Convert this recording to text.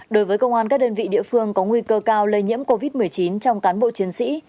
đối với công an các đơn vị địa phương có nguy cơ cao lây nhiễm covid một mươi chín trong cán bộ chiến sĩ